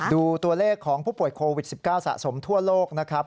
ดูตัวเลขของผู้ป่วยโควิด๑๙สะสมทั่วโลกนะครับ